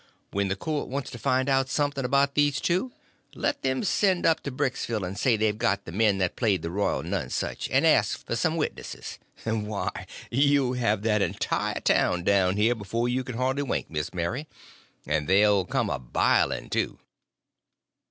When the court wants to find out something about these two, let them send up to Bricksville and say they've got the men that played the Royal Nonesuch, and ask for some witnesses—why, you'll have that entire town down here before you can hardly wink, Miss Mary. And they'll come a biling, too."